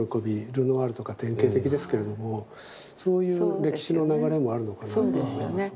ルノアールとか典型的ですけれどもそういう歴史の流れもあるのかなって思いますね。